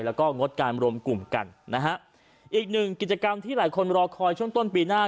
แล้วก็งดการรวมกลุ่มกันนะฮะอีกหนึ่งกิจกรรมที่หลายคนรอคอยช่วงต้นปีหน้า